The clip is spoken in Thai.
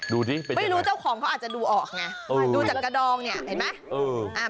ดูที่เป็นยังไงไม่รู้เจ้าของเขาอาจจะดูออกไงดูจากกระดองเนี่ยเห็นไหม